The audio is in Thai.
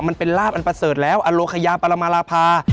จะได้ลาบอันประเสริฐแล้วอโรคยาปรมาลาภา